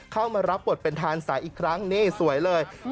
เข้ามารับบทเป็นทานสายอีกครั้งนี่สวยเลย